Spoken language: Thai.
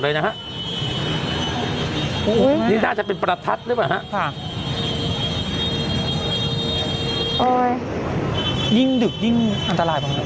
อันนี้เคยไฟขัน